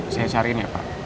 saya cariin ya pak